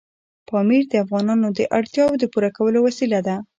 پامیر د افغانانو د اړتیاوو د پوره کولو وسیله ده.